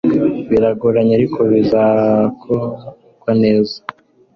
biragoranye ariko bizako rwa neza